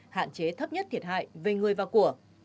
hạn chế thấp nhất thiệt hại về người và của